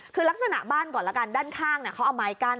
คือลักษณะบ้านก่อนละกันด้านข้างเขาเอาไม้กั้น